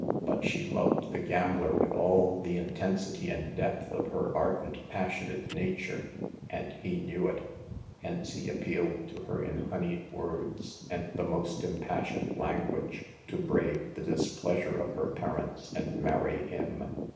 But she loved the gambler with all the intensity and depth of her ardent, passionate nature, and he knew it. Hence he appealed to her in honeyed words and the most impassioned language to brave the displeasure of her parents and marry him.